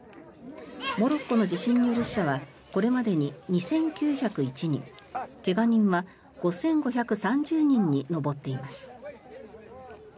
モロッコの地震による死者はこれまでに２９０１人怪我人は５５３０人に上っています。